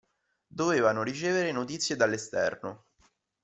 Dovevano ricevere notizie dall'esterno.